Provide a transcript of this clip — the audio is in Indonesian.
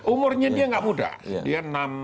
umurnya dia nggak muda dia